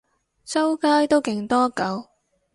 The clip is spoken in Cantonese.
周街都勁多狗